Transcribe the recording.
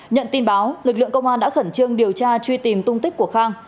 nhận tin báo lực lượng công an đã khẩn trương điều tra truy tìm tung tích của khang